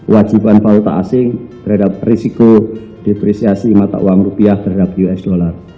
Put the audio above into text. wajiban paul asing terhadap risiko depresiasi mata uang rupiah terhadap usd